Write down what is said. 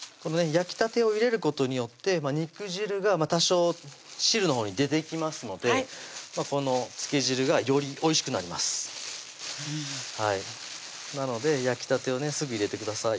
焼きたてを入れることによって肉汁が多少汁のほうに出てきますのでこの漬け汁がよりおいしくなりますなので焼きたてをねすぐ入れてください